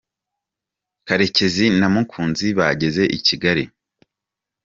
Karecyezu na mukunzi bageze i Kigali